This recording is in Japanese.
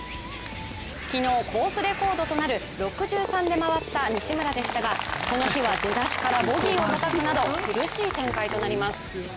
昨日、コースレコードとなる６３で回った西村でしたがこの日は出だしからボギーをたたくなど苦しい展開となります。